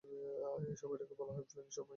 এই সময়টাকে বলা হয় প্ল্যাঙ্ক সময়।